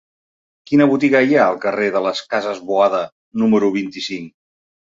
Quina botiga hi ha al carrer de les Cases Boada número vint-i-cinc?